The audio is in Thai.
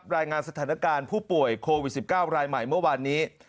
รายงานสถานการณ์ผู้ป่วยโควิด๑๙รายใหม่เมื่อวานนี้